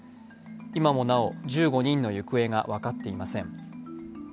今もなお、１５人の行方が分かっていません。